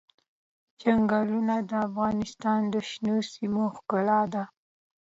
چنګلونه د افغانستان د شنو سیمو ښکلا ده.